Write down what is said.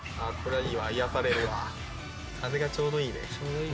風がちょうどいいね。